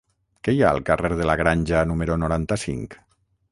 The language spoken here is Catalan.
Què hi ha al carrer de la Granja número noranta-cinc?